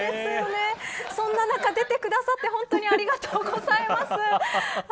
そんな中出てくださって本当にありがとうございます。